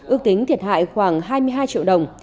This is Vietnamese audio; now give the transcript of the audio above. ước tính thiệt hại khoảng hai mươi hai triệu đồng